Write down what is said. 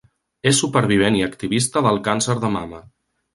És supervivent i activista del càncer de mama.